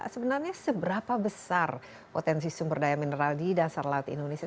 sebenarnya seberapa besar potensi sumber daya mineral di dasar laut indonesia